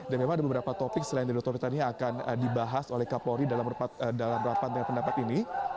dan memang ada beberapa topik selain dari topik topik yang akan dibahas oleh kapolri dalam beberapa pendapat ini